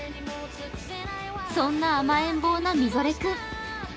そんな甘えん坊なみぞれ君。